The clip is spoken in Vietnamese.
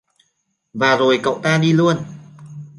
Và rồi Cậu ta đi luôn